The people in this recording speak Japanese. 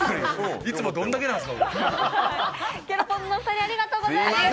いつもどんだけなんですか。